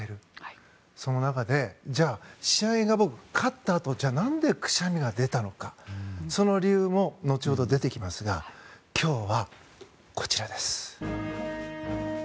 その中で試合で勝ったあと何でくしゃみが出たのかその理由も後ほど、出てきますが今日はこちらです。